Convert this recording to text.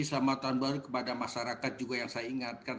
selamat tahun baru kepada masyarakat juga yang saya ingatkan